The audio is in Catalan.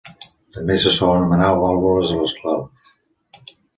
També se sol anomenar vàlvules a les claus.